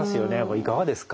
いかがですか？